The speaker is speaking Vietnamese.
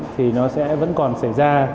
thì nó sẽ vẫn còn xảy ra